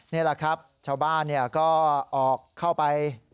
นี่แหละครับชาวบ้านก็ออกเข้าไป